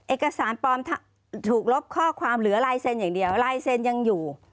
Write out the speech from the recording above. เอกสารปลอมถูกลบข้อความเหลือลายเซ็นต์อย่างเดียวลายเซ็นยังอยู่